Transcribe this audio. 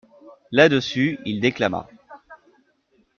Là-dessus, il déclama.